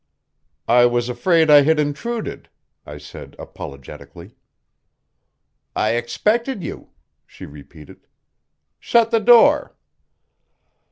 "I was afraid I had intruded," I said apologetically. "I expected you," she repeated. "Shut the door."